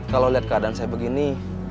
kalau lihat keadaan saya begini